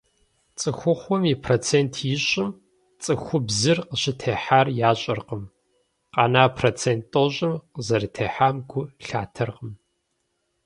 Цӏыхухъум и процент ищӏым цӏыхубзыр къыщӏытехьар ящӏэркъым, къэна процент тӏощӏым къызэрытехьам гу лъатэркъым.